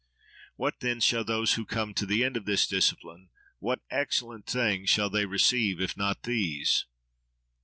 —What, then, shall those who come to the end of this discipline—what excellent thing shall they receive, if not these?